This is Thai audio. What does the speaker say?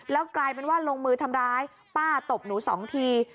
แล้วกลายเป็นว่าลงมือทำร้ายป้าตบหนูสองที